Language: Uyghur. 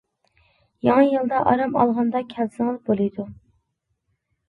يېڭى يىلدا ئارام ئالغاندا كەلسىڭىز بولىدۇ.